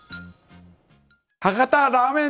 博多ラーメン